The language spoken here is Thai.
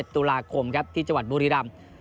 ตุลาคมครับที่จังหวัดบุรีรำ